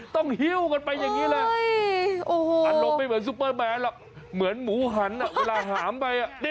ฮิ้วกันไปอย่างนี้เลยอารมณ์ไม่เหมือนซุปเปอร์แมนหรอกเหมือนหมูหันเวลาหามไป